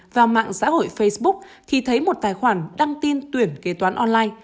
vào mạng xã hội facebook khi thấy một tài khoản đăng tin tuyển kế toán online